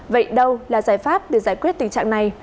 vậy đâu là giải pháp để giải quyết tình trạng này